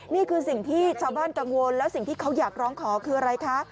นี่คือสิ่งที่ชาวบ้านกังวลแล้วสิ่งที่เขาอยากร้องขอคืออะไรคะ